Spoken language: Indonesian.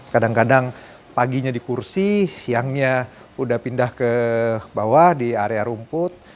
kadang kadang paginya di kursi siangnya udah pindah ke bawah di area rumput